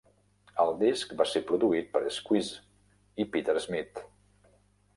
El disc va ser produït per Squeeze i Peter Smith.